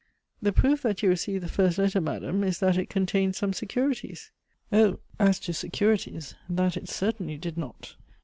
"The proof that you received the first letter, madame, is that it contained some securities " "Oh, as to securities that it certainly did not."